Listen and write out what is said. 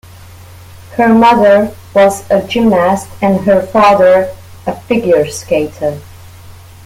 Her mother was a gymnast and her father a figure skater.